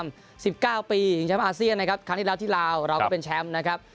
สิบเก้าปีชิงแชมป์อาเซียนนะครับครั้งที่แล้วที่ลาวเราก็เป็นแชมป์นะครับ